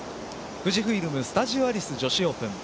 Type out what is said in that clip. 富士フイルム・スタジオアリス女子オープン。